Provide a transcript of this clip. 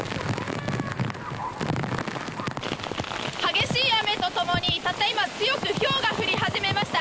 激しい雨と共に、たった今強くひょうが降り始めました。